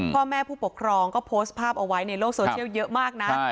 พ่อแม่ผู้ปกครองก็โพสต์ภาพเอาไว้ในโลกโซเชียลเยอะมากนะ